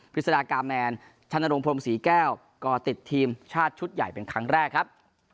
ฤษฎากาแมนชนรงพรมศรีแก้วก็ติดทีมชาติชุดใหญ่เป็นครั้งแรกครับ